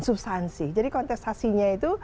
substansi jadi kontestasinya itu